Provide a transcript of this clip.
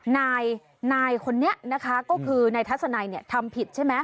นายนายคนนี้นะคะก็คือนายทัศนัยเนี่ยทำผิดใช่ไหม